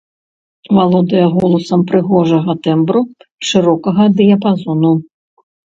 Валодае голасам прыгожага тэмбру, шырокага дыяпазону.